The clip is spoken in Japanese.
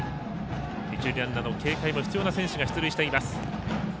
一塁ランナーの警戒も必要な選手出塁しています。